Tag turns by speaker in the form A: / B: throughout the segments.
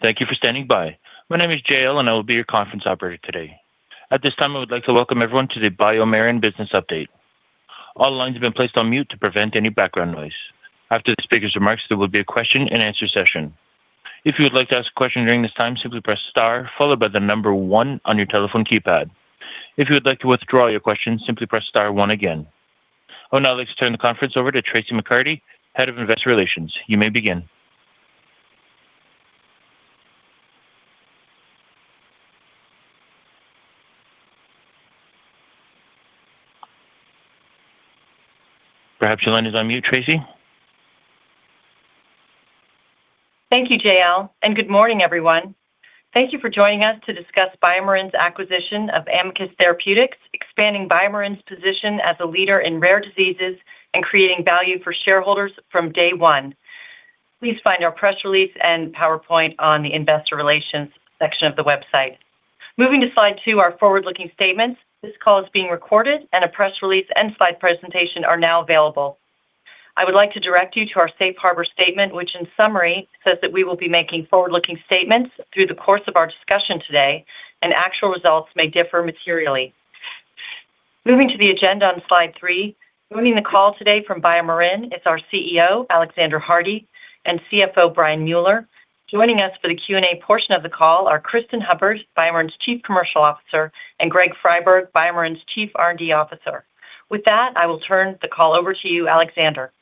A: Thank you for standing by. My name is JL, and I will be your conference operator today. At this time, I would like to welcome everyone to the BioMarin Business Update. All lines have been placed on mute to prevent any background noise. After the speaker's remarks, there will be a question-and-answer session. If you would like to ask a question during this time, simply press star followed by the number one on your telephone keypad. If you would like to withdraw your question, simply press star one again. I would now like to turn the conference over to Traci McCarty, Head of Investor Relations. You may begin. Perhaps your line is on mute, Traci.
B: Thank you, JL, and good morning, everyone. Thank you for joining us to discuss BioMarin's acquisition of Amicus Therapeutics, expanding BioMarin's position as a leader in rare diseases and creating value for shareholders from day one. Please find our press release and PowerPoint on the Investor Relations section of the website. Moving to slide 2, our forward-looking statements. This call is being recorded, and a press release and slide presentation are now available. I would like to direct you to our Safe Harbor Statement, which, in summary, says that we will be making forward-looking statements through the course of our discussion today, and actual results may differ materially. Moving to the agenda on slide 3, joining the call today from BioMarin is our CEO, Alexander Hardy, and CFO, Brian Mueller. Joining us for the Q&A portion of the call are Cristin Hubbard, BioMarin's Chief Commercial Officer, and Greg Friberg, BioMarin's Chief R&D Officer. With that, I will turn the call over to you, Alexander.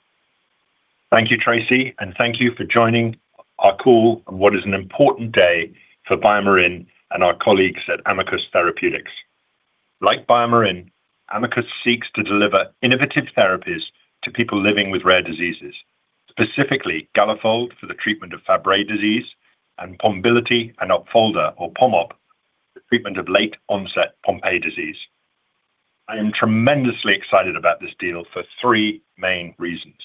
C: Thank you, Traci, and thank you for joining our call on what is an important day for BioMarin and our colleagues at Amicus Therapeutics. Like BioMarin, Amicus seeks to deliver innovative therapies to people living with rare diseases, specifically Galafold for the treatment of Fabry disease and Pombiliti and Opfolda, or POMOP, for the treatment of late-onset Pompe disease. I am tremendously excited about this deal for three main reasons.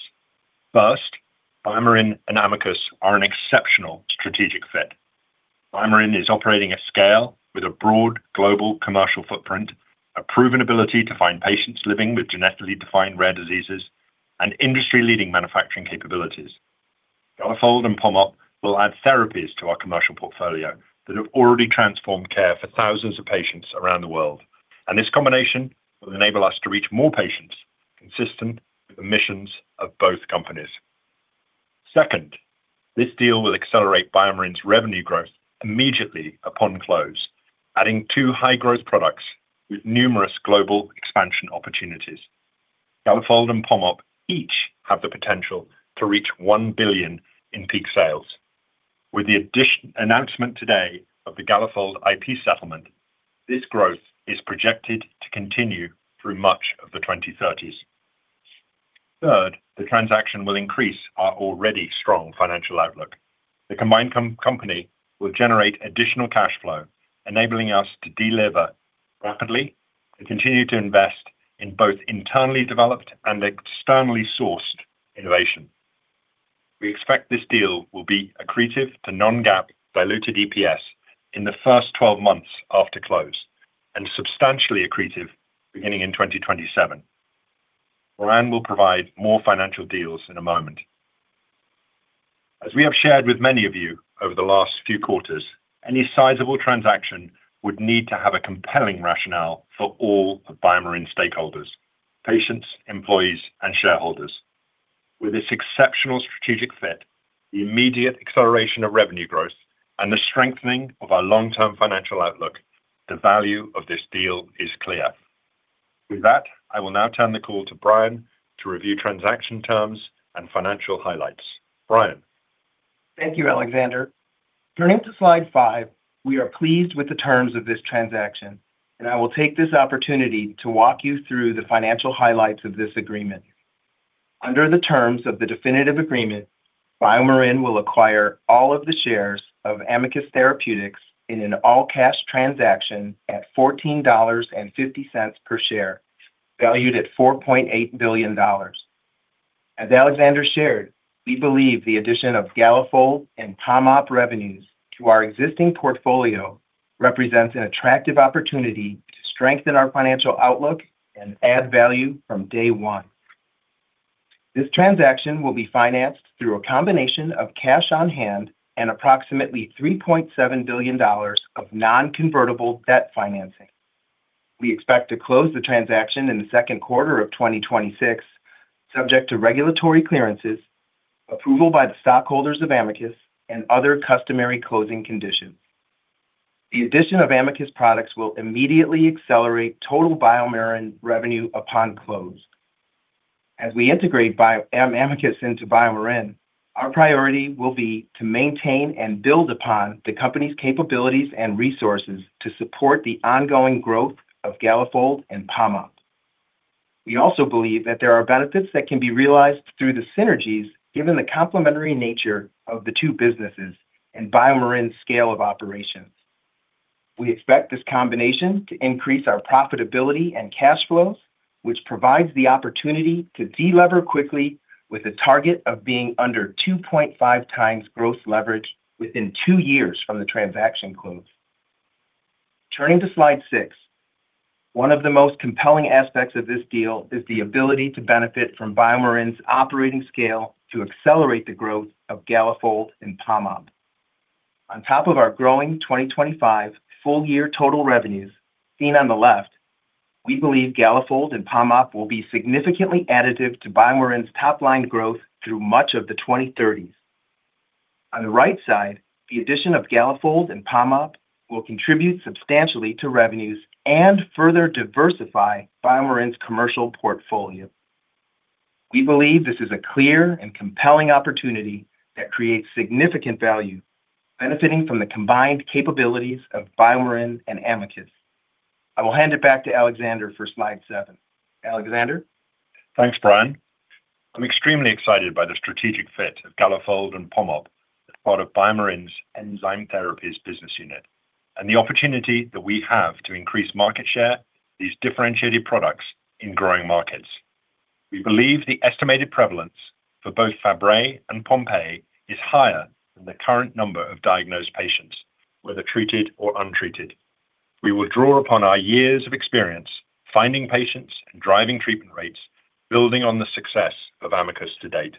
C: First, BioMarin and Amicus are an exceptional strategic fit. BioMarin is operating at scale with a broad global commercial footprint, a proven ability to find patients living with genetically defined rare diseases, and industry-leading manufacturing capabilities. Galafold and POMOP will add therapies to our commercial portfolio that have already transformed care for thousands of patients around the world, and this combination will enable us to reach more patients consistent with the missions of both companies. Second, this deal will accelerate BioMarin's revenue growth immediately upon close, adding two high-growth products with numerous global expansion opportunities. Galafold and POMOP each have the potential to reach $1 billion in peak sales. With the announcement today of the Galafold IP settlement, this growth is projected to continue through much of the 2030s. Third, the transaction will increase our already strong financial outlook. The combined company will generate additional cash flow, enabling us to deliver rapidly and continue to invest in both internally developed and externally sourced innovation. We expect this deal will be accretive to non-GAAP diluted EPS in the first 12 months after close and substantially accretive beginning in 2027. Brian will provide more financial details in a moment. As we have shared with many of you over the last few quarters, any sizable transaction would need to have a compelling rationale for all of BioMarin's stakeholders: patients, employees, and shareholders. With this exceptional strategic fit, the immediate acceleration of revenue growth, and the strengthening of our long-term financial outlook, the value of this deal is clear. With that, I will now turn the call to Brian to review transaction terms and financial highlights. Brian?
D: Thank you, Alexander. Turning to slide 5, we are pleased with the terms of this transaction, and I will take this opportunity to walk you through the financial highlights of this agreement. Under the terms of the definitive agreement, BioMarin will acquire all of the shares of Amicus Therapeutics in an all-cash transaction at $14.50 per share, valued at $4.8 billion. As Alexander shared, we believe the addition of Galafold and POMOP revenues to our existing portfolio represents an attractive opportunity to strengthen our financial outlook and add value from day one. This transaction will be financed through a combination of cash on hand and approximately $3.7 billion of non-convertible debt financing. We expect to close the transaction in the second quarter of 2026, subject to regulatory clearances, approval by the stockholders of Amicus, and other customary closing conditions. The addition of Amicus products will immediately accelerate total BioMarin revenue upon close. As we integrate Amicus into BioMarin, our priority will be to maintain and build upon the company's capabilities and resources to support the ongoing growth of Galafold and POMOP. We also believe that there are benefits that can be realized through the synergies, given the complementary nature of the two businesses and BioMarin's scale of operations. We expect this combination to increase our profitability and cash flows, which provides the opportunity to delever quickly, with a target of being under 2.5x gross leverage within two years from the transaction close. Turning to slide 6, one of the most compelling aspects of this deal is the ability to benefit from BioMarin's operating scale to accelerate the growth of Galafold and POMOP. On top of our growing 2025 full-year total revenues, seen on the left, we believe Galafold and POMOP will be significantly additive to BioMarin's top-line growth through much of the 2030s. On the right side, the addition of Galafold and POMOP will contribute substantially to revenues and further diversify BioMarin's commercial portfolio. We believe this is a clear and compelling opportunity that creates significant value, benefiting from the combined capabilities of BioMarin and Amicus. I will hand it back to Alexander for slide 7. Alexander?
C: Thanks, Brian. I'm extremely excited by the strategic fit of Galafold and POMOP as part of BioMarin's Enzyme Therapies business unit and the opportunity that we have to increase market share of these differentiated products in growing markets. We believe the estimated prevalence for both Fabry and Pompe is higher than the current number of diagnosed patients, whether treated or untreated. We will draw upon our years of experience finding patients and driving treatment rates, building on the success of Amicus to date.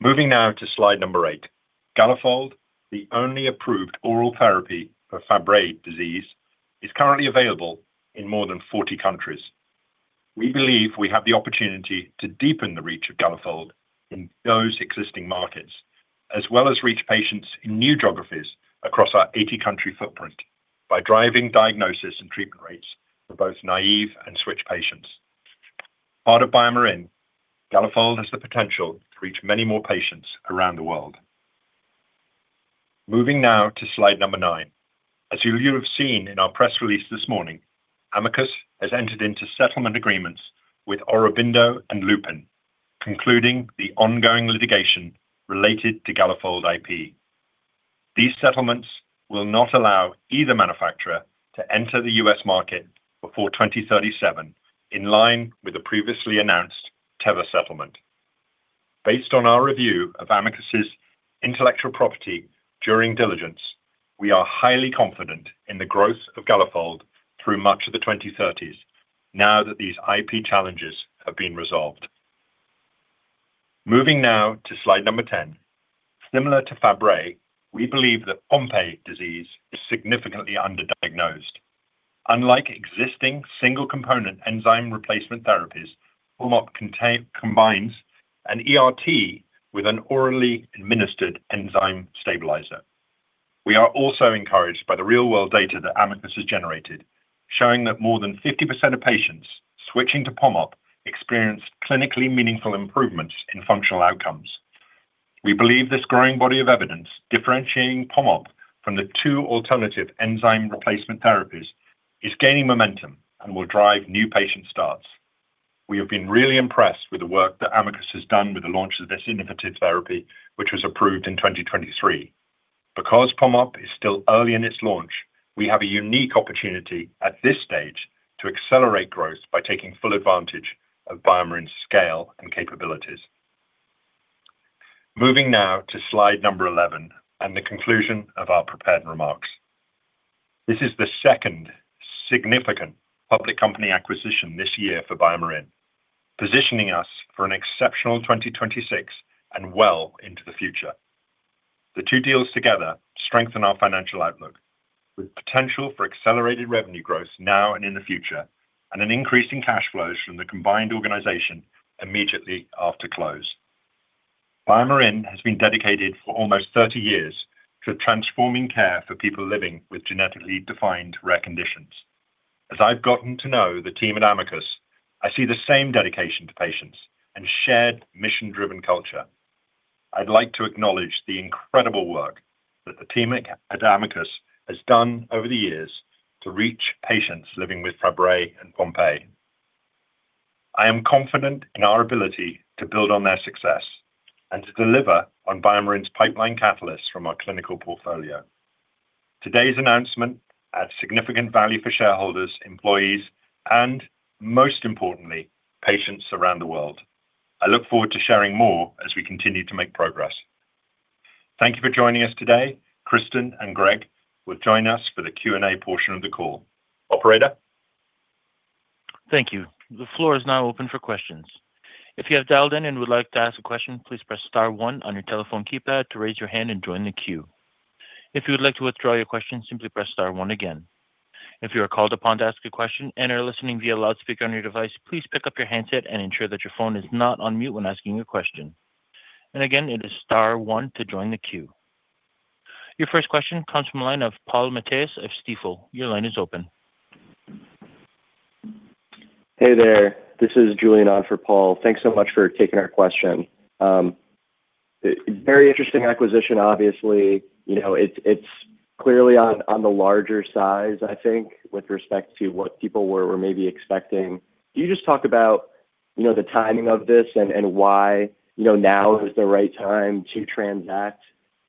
C: Moving now to slide number 8, Galafold, the only approved oral therapy for Fabry disease, is currently available in more than 40 countries. We believe we have the opportunity to deepen the reach of Galafold in those existing markets, as well as reach patients in new geographies across our 80-country footprint by driving diagnosis and treatment rates for both naive and switch patients. Part of BioMarin, Galafold has the potential to reach many more patients around the world. Moving now to slide number 9, as you have seen in our press release this morning, Amicus has entered into settlement agreements with Aurobindo and Lupin, concluding the ongoing litigation related to Galafold IP. These settlements will not allow either manufacturer to enter the U.S. market before 2037, in line with the previously announced Teva settlement. Based on our review of Amicus's intellectual property during diligence, we are highly confident in the growth of Galafold through much of the 2030s, now that these IP challenges have been resolved. Moving now to slide number 10, similar to Fabry, we believe that Pompe disease is significantly underdiagnosed. Unlike existing single-component enzyme replacement therapies, POMOP combines an ERT with an orally administered enzyme stabilizer. We are also encouraged by the real-world data that Amicus has generated, showing that more than 50% of patients switching to POMOP experienced clinically meaningful improvements in functional outcomes. We believe this growing body of evidence differentiating POMOP from the two alternative enzyme replacement therapies is gaining momentum and will drive new patient starts. We have been really impressed with the work that Amicus has done with the launch of this innovative therapy, which was approved in 2023. Because POMOP is still early in its launch, we have a unique opportunity at this stage to accelerate growth by taking full advantage of BioMarin's scale and capabilities. Moving now to slide number 11 and the conclusion of our prepared remarks. This is the second significant public company acquisition this year for BioMarin, positioning us for an exceptional 2026 and well into the future. The two deals together strengthen our financial outlook, with potential for accelerated revenue growth now and in the future, and an increase in cash flows from the combined organization immediately after close. BioMarin has been dedicated for almost 30 years to transforming care for people living with genetically defined rare conditions. As I've gotten to know the team at Amicus, I see the same dedication to patients and shared mission-driven culture. I'd like to acknowledge the incredible work that the team at Amicus has done over the years to reach patients living with Fabry and Pompe. I am confident in our ability to build on their success and to deliver on BioMarin's pipeline catalysts from our clinical portfolio. Today's announcement adds significant value for shareholders, employees, and, most importantly, patients around the world. I look forward to sharing more as we continue to make progress. Thank you for joining us today. Cristin and Greg will join us for the Q&A portion of the call. Operator?
A: Thank you. The floor is now open for questions. If you have dialed in and would like to ask a question, please press star one on your telephone keypad to raise your hand and join the queue. If you would like to withdraw your question, simply press star one again. If you are called upon to ask a question and are listening via loudspeaker on your device, please pick up your handset and ensure that your phone is not on mute when asking your question. And again, it is star one to join the queue. Your first question comes from the line of Paul Matteis of Stifel. Your line is open.
E: Hey there. This is Julian on for Paul. Thanks so much for taking our question. Very interesting acquisition, obviously. It's clearly on the larger side, I think, with respect to what people were maybe expecting. Can you just talk about the timing of this and why now is the right time to transact?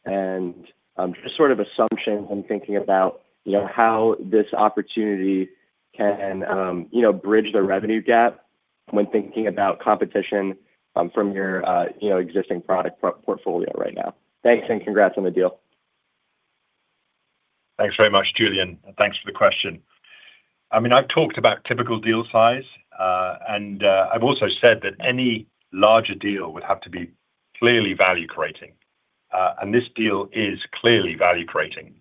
E: And just sort of assumptions and thinking about how this opportunity can bridge the revenue gap when thinking about competition from your existing product portfolio right now. Thanks and congrats on the deal.
C: Thanks very much, Julian. Thanks for the question. I mean, I've talked about typical deal size, and I've also said that any larger deal would have to be clearly value-creating. And this deal is clearly value-creating.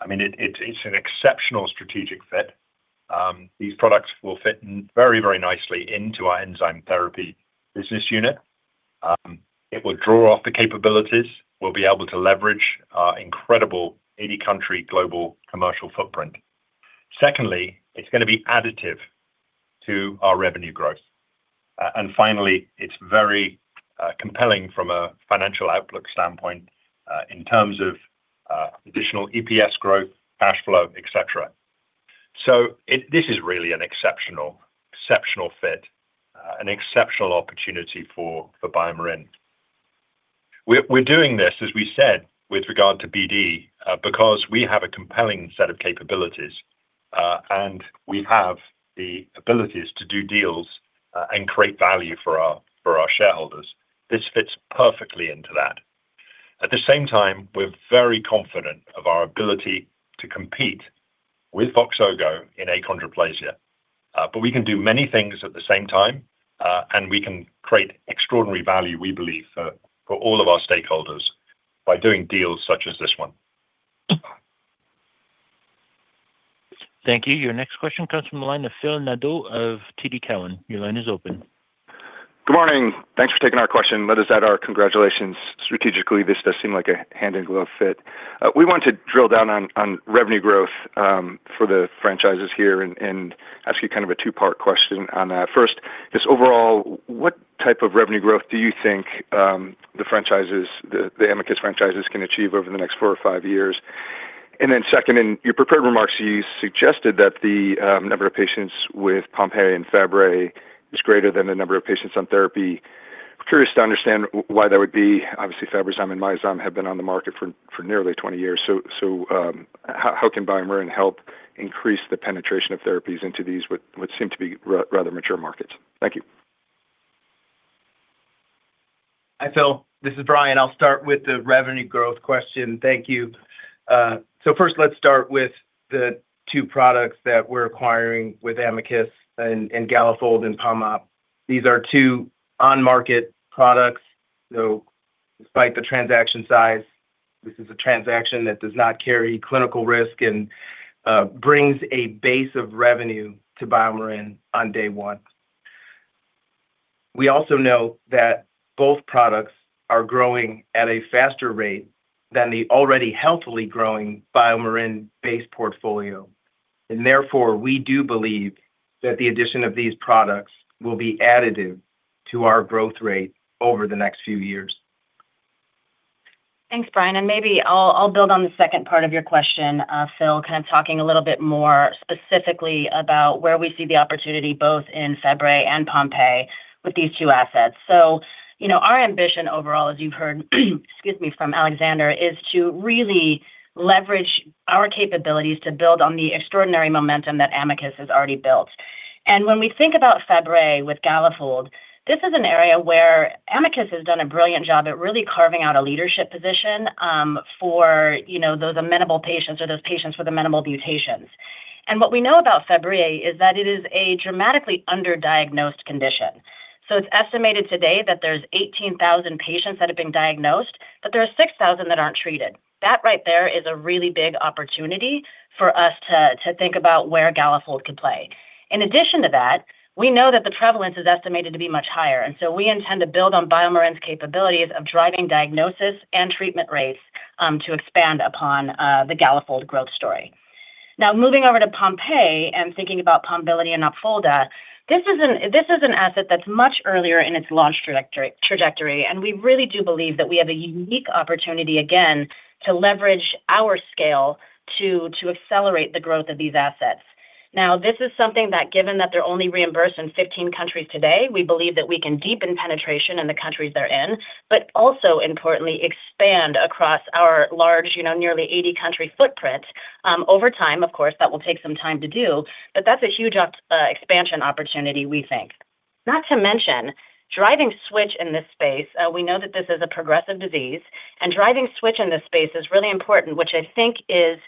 C: I mean, it's an exceptional strategic fit. These products will fit very, very nicely into our enzyme therapy business unit. It will draw off the capabilities. We'll be able to leverage our incredible 80-country global commercial footprint. Secondly, it's going to be additive to our revenue growth. And finally, it's very compelling from a financial outlook standpoint in terms of additional EPS growth, cash flow, etc. So this is really an exceptional fit, an exceptional opportunity for BioMarin. We're doing this, as we said, with regard to BD because we have a compelling set of capabilities, and we have the abilities to do deals and create value for our shareholders. This fits perfectly into that. At the same time, we're very confident of our ability to compete with VOXZOGO in achondroplasia, but we can do many things at the same time, and we can create extraordinary value, we believe, for all of our stakeholders by doing deals such as this one.
A: Thank you. Your next question comes from the line of Phil Nadeau of TD Cowen. Your line is open.
F: Good morning. Thanks for taking our question. Let us add our congratulations. Strategically, this does seem like a hand-in-glove fit. We want to drill down on revenue growth for the franchises here and ask you kind of a two-part question on that. First, just overall, what type of revenue growth do you think the franchises, the Amicus franchises, can achieve over the next four or five years? And then second, in your prepared remarks, you suggested that the number of patients with Pompe and Fabry is greater than the number of patients on therapy. Curious to understand why that would be. Obviously, Fabrazyme and Myozyme have been on the market for nearly 20 years. So how can BioMarin help increase the penetration of therapies into these what seem to be rather mature markets? Thank you.
D: Hi, Phil. This is Brian. I'll start with the revenue growth question. Thank you. So first, let's start with the two products that we're acquiring with Amicus and Galafold and POMOP. These are two on-market products. So despite the transaction size, this is a transaction that does not carry clinical risk and brings a base of revenue to BioMarin on day one. We also know that both products are growing at a faster rate than the already healthily growing BioMarin-based portfolio. And therefore, we do believe that the addition of these products will be additive to our growth rate over the next few years.
G: Thanks, Brian. And maybe I'll build on the second part of your question, Phil, kind of talking a little bit more specifically about where we see the opportunity both in Fabry and Pompe with these two assets. So our ambition overall, as you've heard, excuse me, from Alexander, is to really leverage our capabilities to build on the extraordinary momentum that Amicus has already built. And when we think about Fabry with Galafold, this is an area where Amicus has done a brilliant job at really carving out a leadership position for those amenable patients or those patients with amenable mutations. And what we know about Fabry is that it is a dramatically underdiagnosed condition. So it's estimated today that there's 18,000 patients that have been diagnosed, but there are 6,000 that aren't treated. That right there is a really big opportunity for us to think about where Galafold could play. In addition to that, we know that the prevalence is estimated to be much higher, and so we intend to build on BioMarin's capabilities of driving diagnosis and treatment rates to expand upon the Galafold growth story. Now, moving over to Pompe and thinking about Pombiliti and Opfolda, this is an asset that's much earlier in its launch trajectory, and we really do believe that we have a unique opportunity again to leverage our scale to accelerate the growth of these assets. Now, this is something that, given that they're only reimbursed in 15 countries today, we believe that we can deepen penetration in the countries they're in, but also, importantly, expand across our large, nearly 80-country footprint over time. Of course, that will take some time to do, but that's a huge expansion opportunity, we think. Not to mention driving switch in this space. We know that this is a progressive disease, and driving switch in this space is really important, which I think is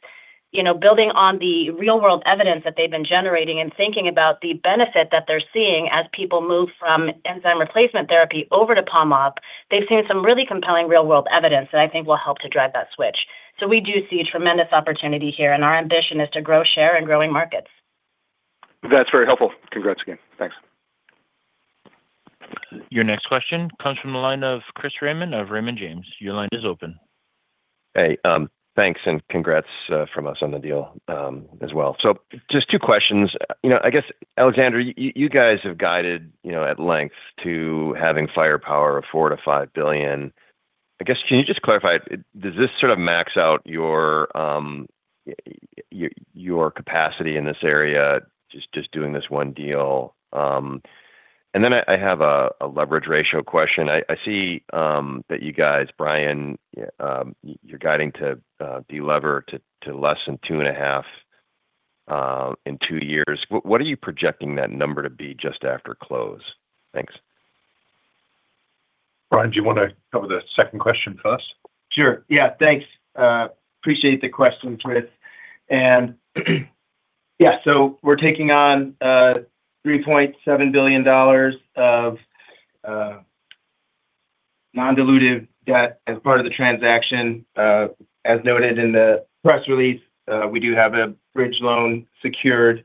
G: building on the real-world evidence that they've been generating and thinking about the benefit that they're seeing as people move from enzyme replacement therapy over to POMOP. They've seen some really compelling real-world evidence that I think will help to drive that switch. So we do see tremendous opportunity here, and our ambition is to grow share in growing markets.
F: That's very helpful. Congrats again. Thanks.
A: Your next question comes from the line of Chris Raymond of Raymond James. Your line is open.
H: Hey, thanks and congrats from us on the deal as well. So just two questions. I guess, Alexander, you guys have guided at length to having firepower of $4 billion-$5 billion. I guess, can you just clarify, does this sort of max out your capacity in this area just doing this one deal? And then I have a leverage ratio question. I see that you guys, Brian, you're guiding to delever to less than 2.5x in two years. What are you projecting that number to be just after close? Thanks.
C: Brian, do you want to cover the second question first?
D: Sure. Yeah, thanks. Appreciate the question, Chris. And yeah, so we're taking on $3.7 billion of non-dilutive debt as part of the transaction. As noted in the press release, we do have a bridge loan secured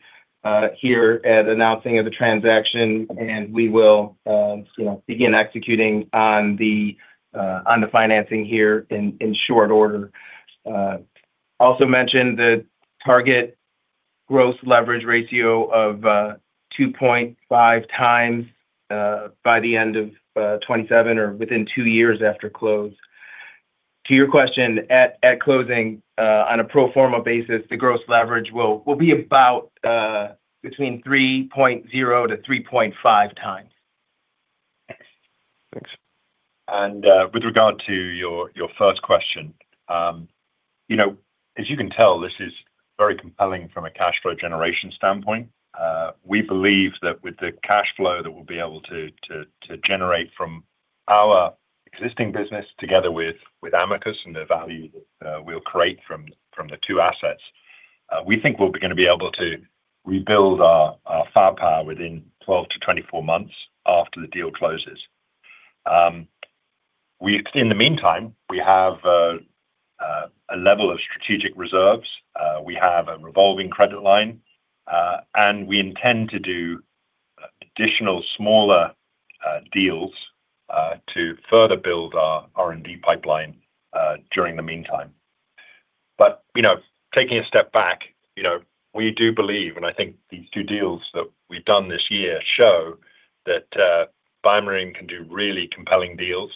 D: here at announcing of the transaction, and we will begin executing on the financing here in short order. Also mentioned the target gross leverage ratio of 2.5x by the end of 2027 or within two years after close. To your question, at closing, on a pro forma basis, the gross leverage will be about between 3.0x-3.5x.
H: Thanks.
C: And with regard to your first question, as you can tell, this is very compelling from a cash flow generation standpoint. We believe that with the cash flow that we'll be able to generate from our existing business together with Amicus and the value that we'll create from the two assets, we think we'll be going to be able to rebuild our firepower within 12-24 months after the deal closes. In the meantime, we have a level of strategic reserves. We have a revolving credit line, and we intend to do additional smaller deals to further build our R&D pipeline during the meantime. But taking a step back, we do believe, and I think these two deals that we've done this year show that BioMarin can do really compelling deals,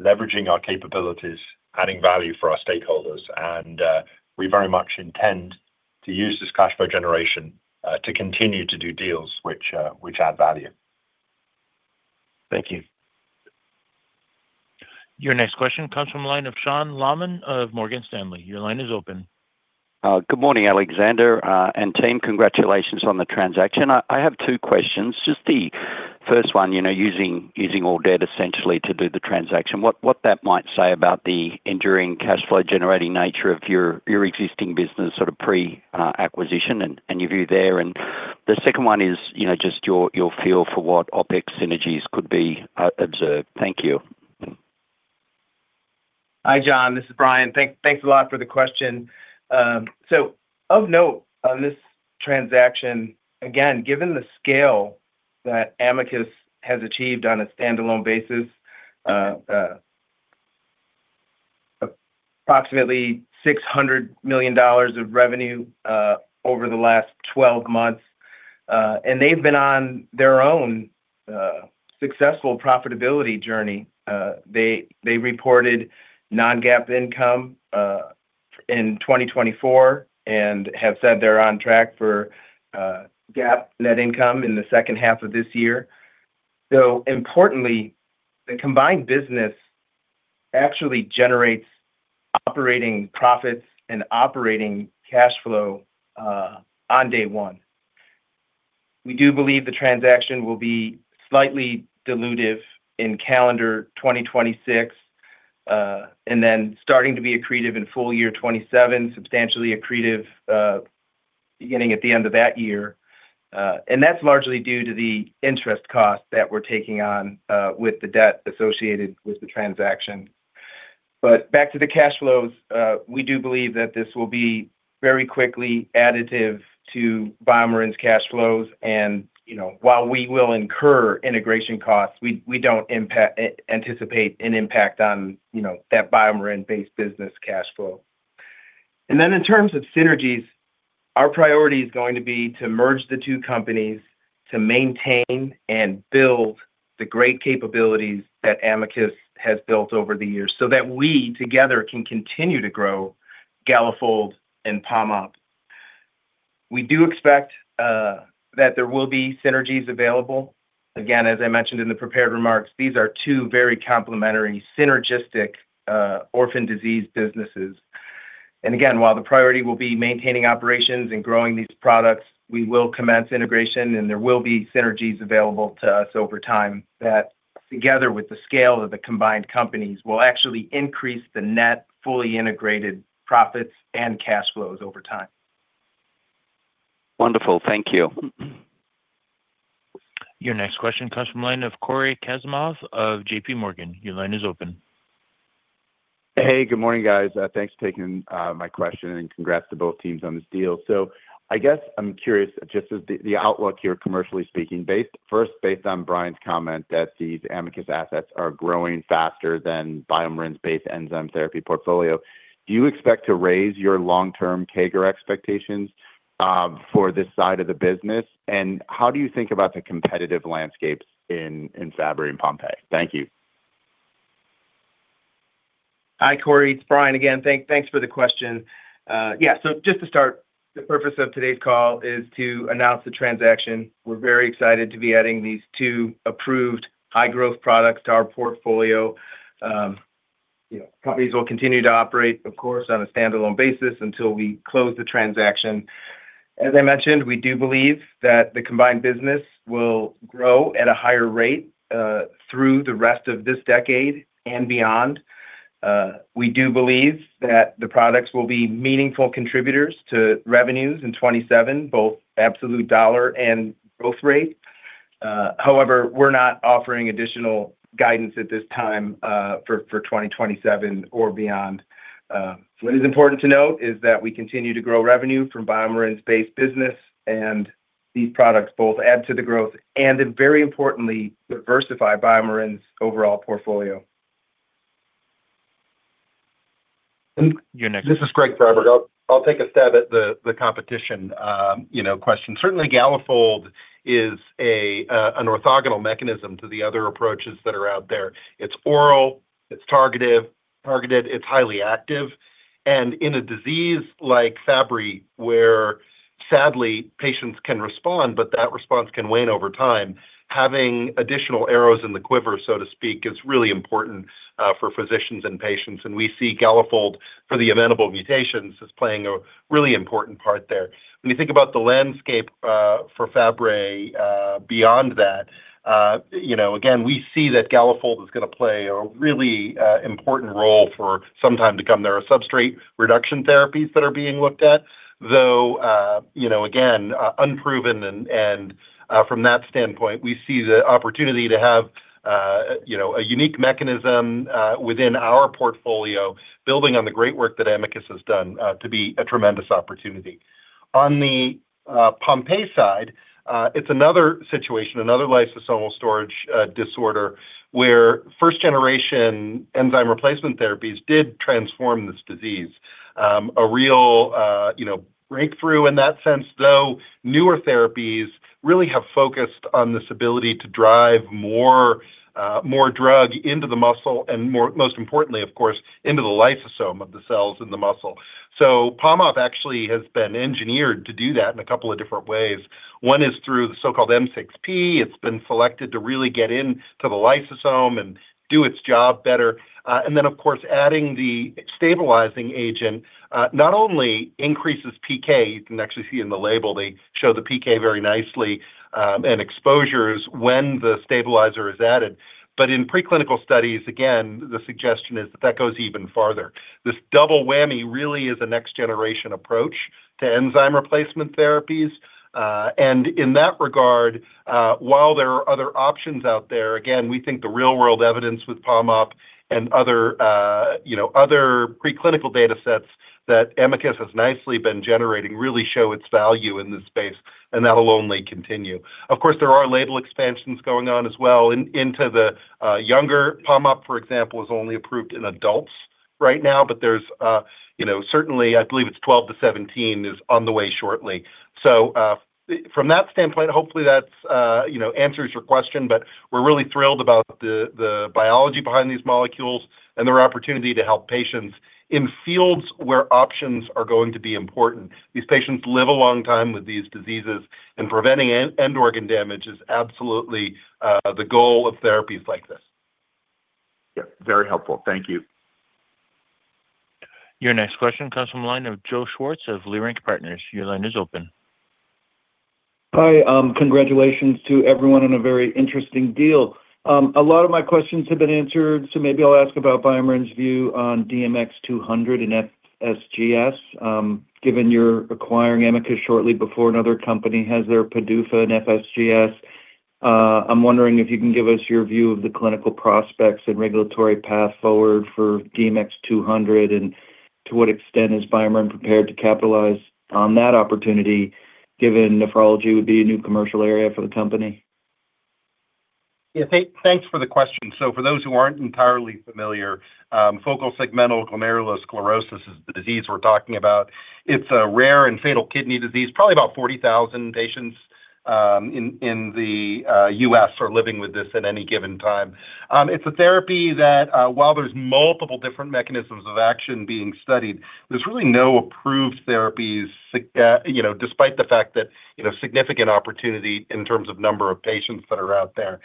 C: leveraging our capabilities, adding value for our stakeholders. We very much intend to use this cash flow generation to continue to do deals which add value. Thank you.
A: Your next question comes from the line of Sean Laaman of Morgan Stanley. Your line is open.
I: Good morning, Alexander. And Tim, congratulations on the transaction. I have two questions. Just the first one, using all debt essentially to do the transaction, what that might say about the enduring cash flow generating nature of your existing business sort of pre-acquisition and your view there? And the second one is just your feel for what OpEx synergies could be observed? Thank you.
D: Hi, Sean. This is Brian. Thanks a lot for the question, so of note, on this transaction, again, given the scale that Amicus has achieved on a standalone basis, approximately $600 million of revenue over the last 12 months, and they've been on their own successful profitability journey. They reported non-GAAP income in 2024 and have said they're on track for GAAP net income in the second half of this year, so importantly, the combined business actually generates operating profits and operating cash flow on day one. We do believe the transaction will be slightly dilutive in calendar 2026 and then starting to be accretive in full year 2027, substantially accretive beginning at the end of that year, and that's largely due to the interest cost that we're taking on with the debt associated with the transaction. But back to the cash flows, we do believe that this will be very quickly additive to BioMarin's cash flows. And while we will incur integration costs, we don't anticipate an impact on that BioMarin-based business cash flow. And then in terms of synergies, our priority is going to be to merge the two companies to maintain and build the great capabilities that Amicus has built over the years so that we together can continue to grow Galafold and POMOP. We do expect that there will be synergies available. Again, as I mentioned in the prepared remarks, these are two very complementary synergistic orphan disease businesses. And again, while the priority will be maintaining operations and growing these products, we will commence integration, and there will be synergies available to us over time that, together with the scale of the combined companies, will actually increase the net fully integrated profits and cash flows over time.
I: Wonderful. Thank you.
A: Your next question comes from the line of Cory Kasimov of J.P. Morgan. Your line is open.
J: Hey, good morning, guys. Thanks for taking my question and congrats to both teams on this deal. I guess I'm curious, just as the outlook here, commercially speaking, first based on Brian's comment that these Amicus assets are growing faster than BioMarin's base enzyme therapy portfolio, do you expect to raise your long-term CAGR expectations for this side of the business? And how do you think about the competitive landscapes in Fabry and Pompe? Thank you.
D: Hi, Cory. It's Brian again. Thanks for the question. Yeah. So just to start, the purpose of today's call is to announce the transaction. We're very excited to be adding these two approved high-growth products to our portfolio. Companies will continue to operate, of course, on a standalone basis until we close the transaction. As I mentioned, we do believe that the combined business will grow at a higher rate through the rest of this decade and beyond. We do believe that the products will be meaningful contributors to revenues in 2027, both absolute dollar and growth rate. However, we're not offering additional guidance at this time for 2027 or beyond. What is important to note is that we continue to grow revenue from BioMarin's base business, and these products both add to the growth and, very importantly, diversify BioMarin's overall portfolio.
K: This is Greg Friberg. I'll take a stab at the competition question. Certainly, Galafold is an orthogonal mechanism to the other approaches that are out there. It's oral. It's targeted. It's highly active. And in a disease like Fabry, where sadly, patients can respond, but that response can wane over time, having additional arrows in the quiver, so to speak, is really important for physicians and patients. And we see Galafold for the amenable mutations as playing a really important part there. When you think about the landscape for Fabry beyond that, again, we see that Galafold is going to play a really important role for some time to come. There are substrate reduction therapies that are being looked at, though, again, unproven. From that standpoint, we see the opportunity to have a unique mechanism within our portfolio, building on the great work that Amicus has done, to be a tremendous opportunity. On the Pompe side, it's another situation, another lysosomal storage disorder where first-generation enzyme replacement therapies did transform this disease. A real breakthrough in that sense, though newer therapies really have focused on this ability to drive more drug into the muscle and, most importantly, of course, into the lysosome of the cells in the muscle. POMOP actually has been engineered to do that in a couple of different ways. One is through the so-called M6P. It's been selected to really get into the lysosome and do its job better. Then, of course, adding the stabilizing agent not only increases PK. You can actually see in the label, they show the PK very nicely and exposures when the stabilizer is added. But in preclinical studies, again, the suggestion is that that goes even farther. This double whammy really is a next-generation approach to enzyme replacement therapies. And in that regard, while there are other options out there, again, we think the real-world evidence with POMOP and other preclinical data sets that Amicus has nicely been generating really show its value in this space, and that will only continue. Of course, there are label expansions going on as well into the younger. POMOP, for example, is only approved in adults right now, but there's certainly, I believe it's 12 to 17 is on the way shortly. So from that standpoint, hopefully, that answers your question, but we're really thrilled about the biology behind these molecules and their opportunity to help patients in fields where options are going to be important. These patients live a long time with these diseases, and preventing end-organ damage is absolutely the goal of therapies like this.
J: Yeah. Very helpful. Thank you.
A: Your next question comes from the line of Joe Schwartz of Leerink Partners. Your line is open.
L: Hi. Congratulations to everyone on a very interesting deal. A lot of my questions have been answered, so maybe I'll ask about BioMarin's view on DMX-200 and FSGS, given you're acquiring Amicus shortly before another company has their PDUFA and FSGS. I'm wondering if you can give us your view of the clinical prospects and regulatory path forward for DMX-200, and to what extent is BioMarin prepared to capitalize on that opportunity, given nephrology would be a new commercial area for the company?
K: Yeah. Thanks for the question, so for those who aren't entirely familiar, focal segmental glomerulosclerosis is the disease we're talking about. It's a rare and fatal kidney disease. Probably about 40,000 patients in the U.S. are living with this at any given time. It's a therapy that, while there's multiple different mechanisms of action being studied, there's really no approved therapies despite the fact that significant opportunity in terms of number of patients that are out there.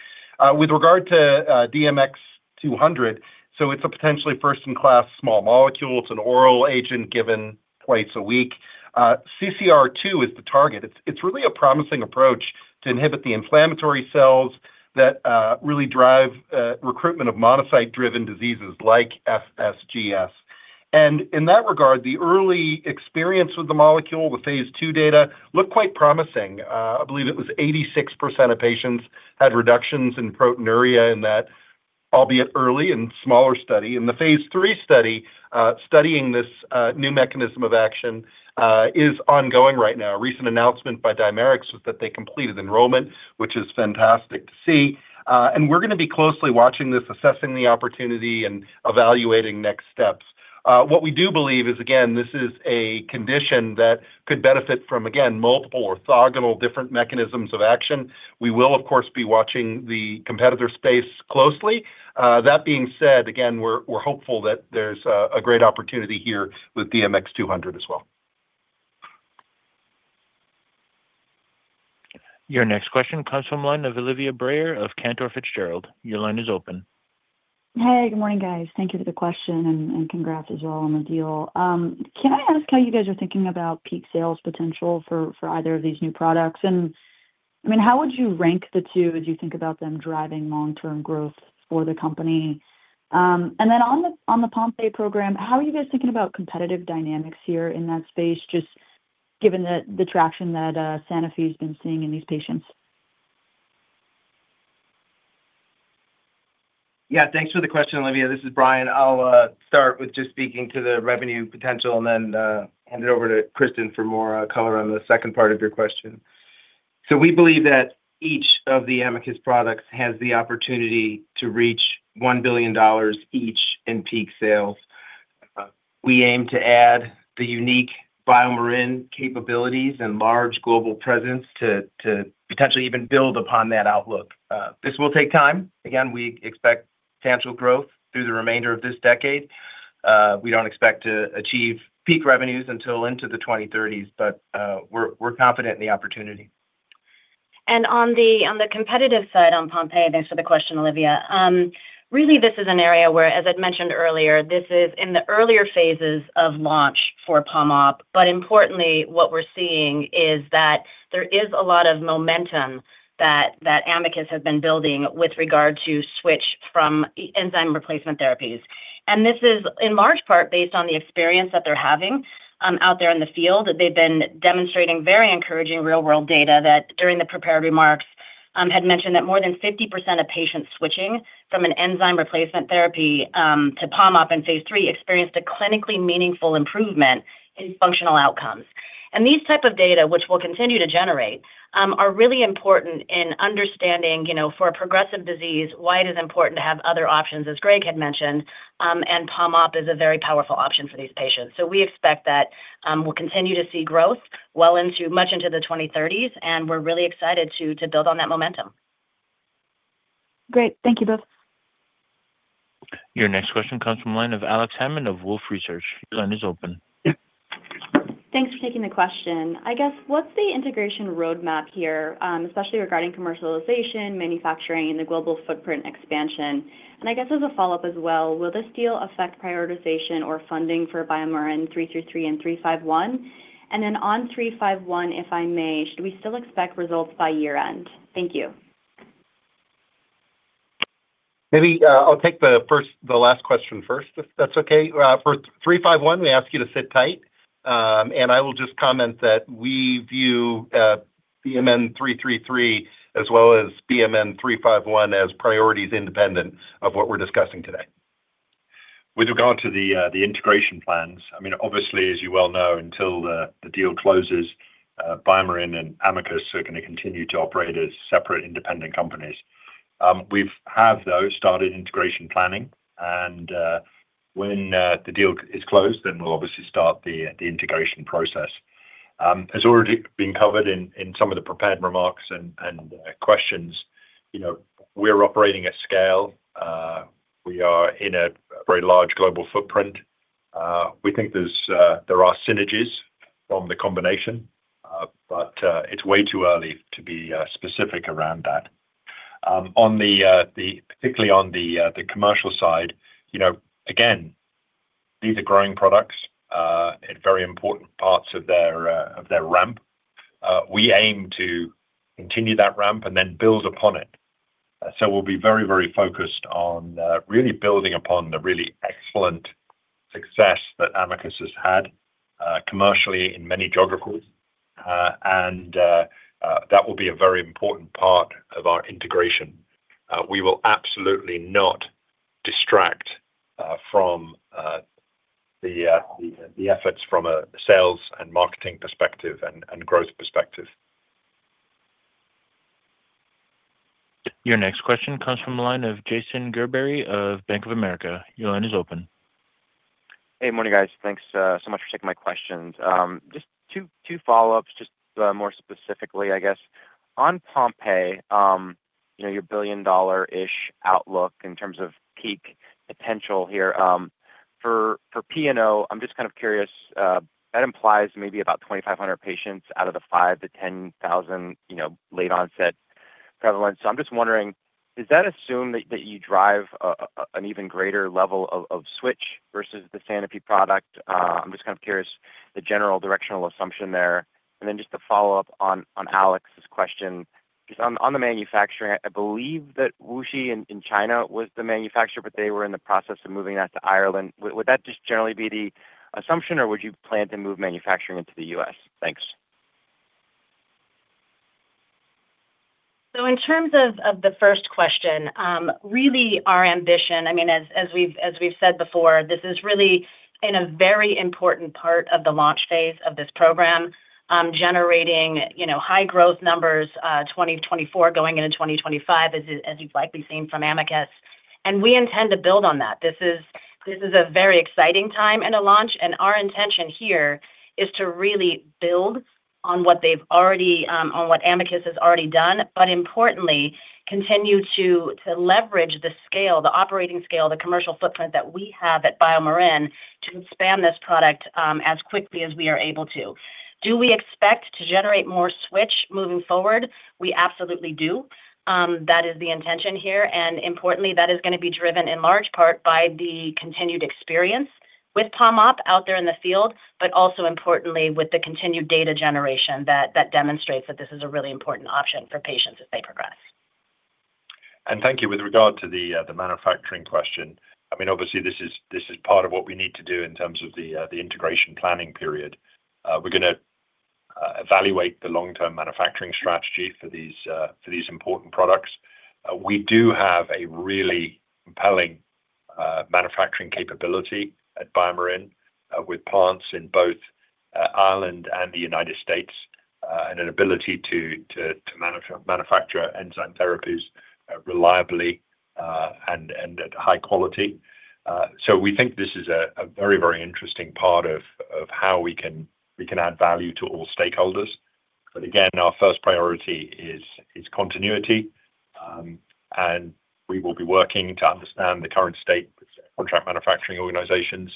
K: With regard to DMX-200, so it's a potentially first-in-class small molecule. It's an oral agent given twice a week. CCR2 is the target. It's really a promising approach to inhibit the inflammatory cells that really drive recruitment of monocyte-driven diseases like FSGS. And in that regard, the early experience with the molecule. The phase II data looked quite promising. I believe it was 86% of patients had reductions in proteinuria in that, albeit early and smaller study. In the phase three study, studying this new mechanism of action is ongoing right now. A recent announcement by Dimerix was that they completed enrollment, which is fantastic to see, and we're going to be closely watching this, assessing the opportunity and evaluating next steps. What we do believe is, again, this is a condition that could benefit from, again, multiple orthogonal different mechanisms of action. We will, of course, be watching the competitor space closely. That being said, again, we're hopeful that there's a great opportunity here with DMX-200 as well.
A: Your next question comes from the line of Olivia Brayer of Cantor Fitzgerald. Your line is open.
M: Hey, good morning, guys. Thank you for the question, and congrats as well on the deal. Can I ask how you guys are thinking about peak sales potential for either of these new products? And I mean, how would you rank the two as you think about them driving long-term growth for the company? And then on the Pompe program, how are you guys thinking about competitive dynamics here in that space, just given the traction that Sanofi has been seeing in these patients?
D: Yeah. Thanks for the question, Olivia. This is Brian. I'll start with just speaking to the revenue potential and then hand it over to Cristin for more color on the second part of your question. So we believe that each of the Amicus products has the opportunity to reach $1 billion each in peak sales. We aim to add the unique BioMarin capabilities and large global presence to potentially even build upon that outlook. This will take time. Again, we expect potential growth through the remainder of this decade. We don't expect to achieve peak revenues until into the 2030s, but we're confident in the opportunity.
G: And on the competitive side on Pompe, thanks for the question, Olivia. Really, this is an area where, as I mentioned earlier, this is in the earlier phases of launch for POMOP. But importantly, what we're seeing is that there is a lot of momentum that Amicus has been building with regard to switch from enzyme replacement therapies. And this is, in large part, based on the experience that they're having out there in the field that they've been demonstrating very encouraging real-world data that during the prepared remarks had mentioned that more than 50% of patients switching from an enzyme replacement therapy to POMOP in phase three experienced a clinically meaningful improvement in functional outcomes. These types of data, which we'll continue to generate, are really important in understanding for a progressive disease why it is important to have other options, as Greg had mentioned, and POMOP is a very powerful option for these patients. We expect that we'll continue to see growth well into the 2030s, and we're really excited to build on that momentum.
M: Great. Thank you both.
A: Your next question comes from the line of Alex Hammond of Wolfe Research. Your line is open.
N: Thanks for taking the question. I guess, what's the integration roadmap here, especially regarding commercialization, manufacturing, and the global footprint expansion? And I guess as a follow-up as well, will this deal affect prioritization or funding for BMN 333 and 351? And then on 351, if I may, should we still expect results by year-end? Thank you.
K: Maybe I'll take the last question first, if that's okay. For 351, we ask you to sit tight. And I will just comment that we view BMN 333 as well as BMN 351 as priorities independent of what we're discussing today.
C: We've gone to the integration plans. I mean, obviously, as you well know, until the deal closes, BioMarin and Amicus are going to continue to operate as separate independent companies. We have, though, started integration planning. And when the deal is closed, then we'll obviously start the integration process. As already been covered in some of the prepared remarks and questions, we're operating at scale. We are in a very large global footprint. We think there are synergies from the combination, but it's way too early to be specific around that. Particularly on the commercial side, again, these are growing products in very important parts of their ramp. We aim to continue that ramp and then build upon it. So we'll be very, very focused on really building upon the really excellent success that Amicus has had commercially in many geographies. That will be a very important part of our integration. We will absolutely not distract from the efforts from a sales and marketing perspective and growth perspective.
A: Your next question comes from the line of Jason Gerberry of Bank of America. Your line is open.
O: Hey, morning, guys. Thanks so much for taking my questions. Just two follow-ups, just more specifically, I guess. On Pompe, your $1 billion-ish outlook in terms of peak potential here, for P&O, I'm just kind of curious. That implies maybe about 2,500 patients out of the 5,000-10,000 late-onset prevalence. So I'm just wondering, does that assume that you drive an even greater level of switch versus the Sanofi product? I'm just kind of curious, the general directional assumption there. And then just to follow up on Alex's question, just on the manufacturing, I believe that WuXi in China was the manufacturer, but they were in the process of moving that to Ireland. Would that just generally be the assumption, or would you plan to move manufacturing into the U.S.? Thanks.
G: In terms of the first question, really, our ambition, I mean, as we've said before, this is really in a very important part of the launch phase of this program, generating high growth numbers 2024 going into 2025, as you've likely seen from Amicus. We intend to build on that. This is a very exciting time in a launch. Our intention here is to really build on what they've already on what Amicus has already done, but importantly, continue to leverage the scale, the operating scale, the commercial footprint that we have at BioMarin to expand this product as quickly as we are able to. Do we expect to generate more switch moving forward? We absolutely do. That is the intention here. And importantly, that is going to be driven in large part by the continued experience with POMOP out there in the field, but also importantly, with the continued data generation that demonstrates that this is a really important option for patients as they progress.
C: Thank you. With regard to the manufacturing question, I mean, obviously, this is part of what we need to do in terms of the integration planning period. We're going to evaluate the long-term manufacturing strategy for these important products. We do have a really compelling manufacturing capability at BioMarin with plants in both Ireland and the United States and an ability to manufacture enzyme therapies reliably and at high quality. We think this is a very, very interesting part of how we can add value to all stakeholders. But again, our first priority is continuity. We will be working to understand the current state of contract manufacturing organizations,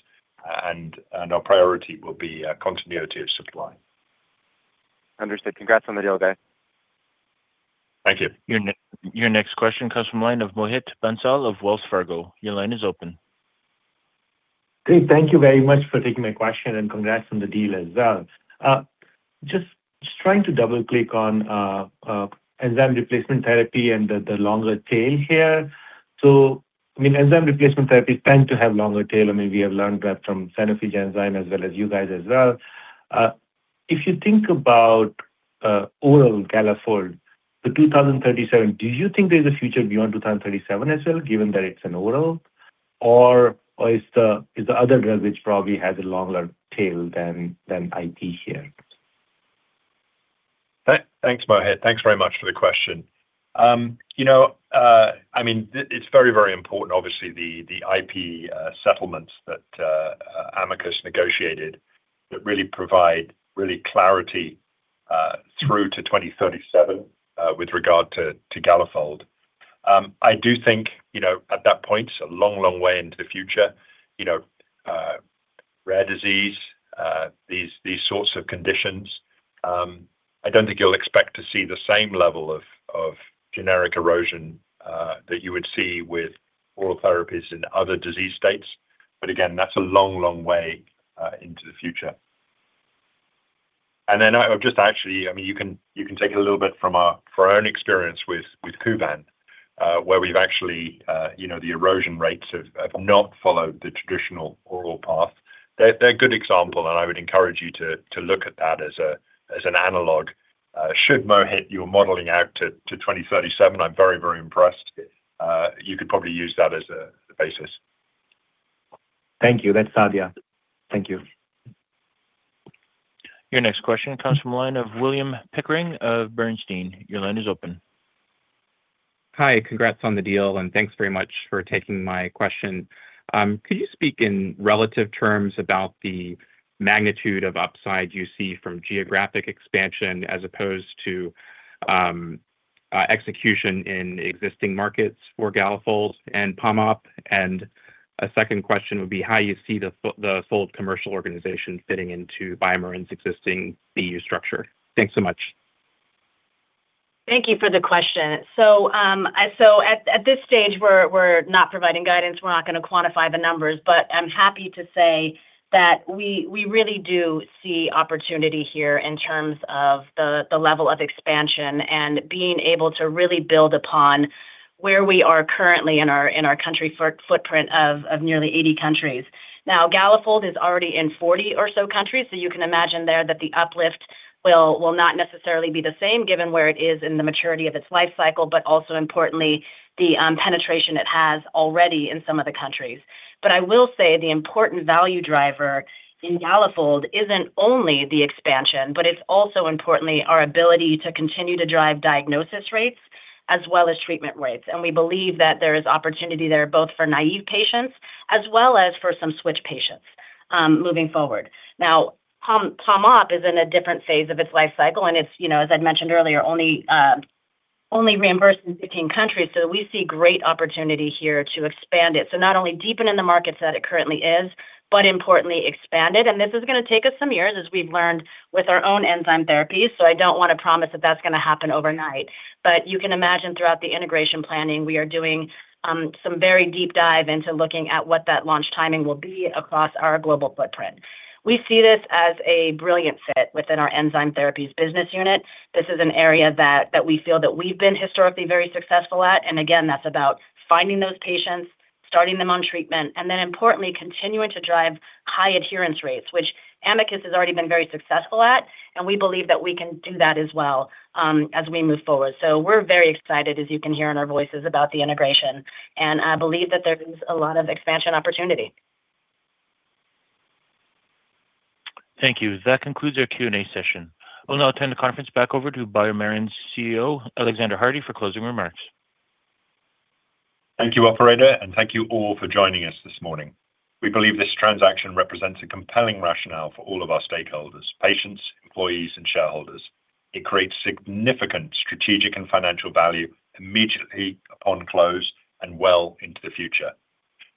C: and our priority will be continuity of supply.
O: Understood. Congrats on the deal, guys.
C: Thank you.
A: Your next question comes from the line of Mohit Bansal of Wells Fargo. Your line is open.
P: Thank you very much for taking my question, and congrats on the deal as well. Just trying to double-click on enzyme replacement therapy and the longer tail here. I mean, enzyme replacement therapies tend to have longer tail. I mean, we have learned that from Sanofi Genzyme as well as you guys as well. If you think about oral Galafold, the 2037, do you think there's a future beyond 2037 as well, given that it's an oral, or is the other drug which probably has a longer tail than IP here?
C: Thanks, Mohit. Thanks very much for the question. I mean, it's very, very important, obviously, the IP settlements that Amicus negotiated that really provide really clarity through to 2037 with regard to Galafold. I do think at that point, a long, long way into the future, rare disease, these sorts of conditions, I don't think you'll expect to see the same level of generic erosion that you would see with oral therapies in other disease states. But again, that's a long, long way into the future. And then I'll just actually, I mean, you can take a little bit from our own experience with KUVAN, where we've actually the erosion rates have not followed the traditional oral path. They're a good example, and I would encourage you to look at that as an analog. So, Mohit, you're modeling out to 2037, I'm very, very impressed. You could probably use that as a basis.
P: Thank you. That's all here. Thank you.
A: Your next question comes from the line of William Pickering of Bernstein. Your line is open.
Q: Hi. Congrats on the deal, and thanks very much for taking my question. Could you speak in relative terms about the magnitude of upside you see from geographic expansion as opposed to execution in existing markets for Galafold and POMOP? And a second question would be how you see the full commercial organization fitting into BioMarin's existing EU structure. Thanks so much.
G: Thank you for the question. So at this stage, we're not providing guidance. We're not going to quantify the numbers, but I'm happy to say that we really do see opportunity here in terms of the level of expansion and being able to really build upon where we are currently in our country footprint of nearly 80 countries. Now, Galafold is already in 40 or so countries, so you can imagine there that the uplift will not necessarily be the same given where it is in the maturity of its life cycle, but also importantly, the penetration it has already in some of the countries. But I will say the important value driver in Galafold isn't only the expansion, but it's also importantly our ability to continue to drive diagnosis rates as well as treatment rates. And we believe that there is opportunity there both for naive patients as well as for some switch patients moving forward. Now, POMOP is in a different phase of its life cycle, and it's, as I'd mentioned earlier, only reimbursed in 15 countries. So we see great opportunity here to expand it. So not only deepen in the markets that it currently is, but importantly, expand it. And this is going to take us some years, as we've learned with our own enzyme therapies. I don't want to promise that that's going to happen overnight. But you can imagine throughout the integration planning, we are doing some very deep dive into looking at what that launch timing will be across our global footprint. We see this as a brilliant fit within our enzyme therapies business unit. This is an area that we feel that we've been historically very successful at. And again, that's about finding those patients, starting them on treatment, and then importantly, continuing to drive high adherence rates, which Amicus has already been very successful at. And we believe that we can do that as well as we move forward. We're very excited, as you can hear in our voices, about the integration. And I believe that there is a lot of expansion opportunity.
A: Thank you. That concludes our Q&A session. I'll now turn the conference back over to BioMarin's CEO, Alexander Hardy, for closing remarks.
C: Thank you, Operator, and thank you all for joining us this morning. We believe this transaction represents a compelling rationale for all of our stakeholders, patients, employees, and shareholders. It creates significant strategic and financial value immediately upon close and well into the future.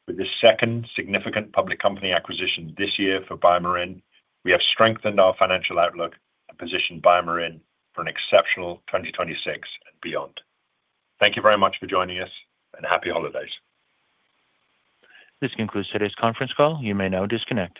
C: With the second significant public company acquisition this year for BioMarin, we have strengthened our financial outlook and positioned BioMarin for an exceptional 2026 and beyond. Thank you very much for joining us, and happy holidays.
A: This concludes today's conference call. You may now disconnect.